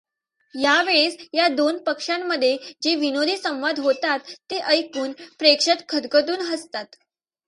या वेळेस या दोन पक्षांमध्ये जे विनोदी संवाद होतात ते ऐकून प्रेक्षक खदखदून हसतात.